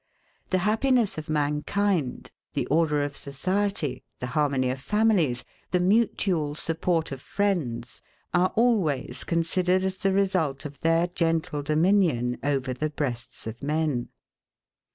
The happiness of mankind, the order of society, the harmony of families, the mutual support of friends, are always considered as the result of their gentle dominion over the breasts of men.